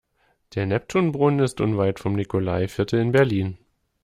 Der Neptunbrunnen ist unweit vom Nikolaiviertel in Berlin.